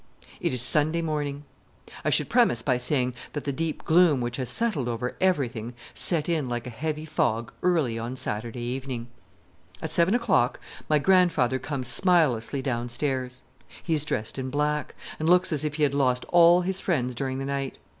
It is Sunday morning. I should premise by saying that the deep gloom which has settled over everything set in like a heavy fog early on Saturday evening. At seven o'clock my grandfather comes smilelessly downstairs. He is dressed in black, and looks as if he had lost all his friends during the night.